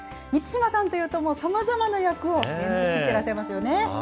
満島さんというと、もうさまざまな役を演じ切っていらっしゃいますよね。